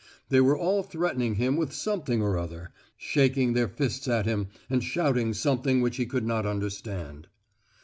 They were all threatening him with something or other, shaking their fists at him, and shouting something which he could not understand.